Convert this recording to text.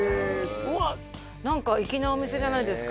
うわっ何か粋なお店じゃないですか